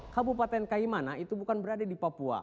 kabupaten kaimana itu bukan berada di papua